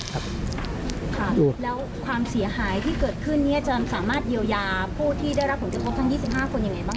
แล้วความเสียหายที่เกิดขึ้นจะสามารถเยียวยาผู้ที่ได้รับผลเจ็บโค้งทั้ง๒๕คนอย่างไรบ้าง